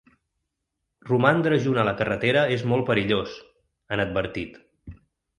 Romandre junt a la carretera és molt perillós, han advertit.